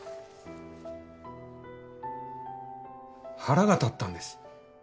腹が立ったんです。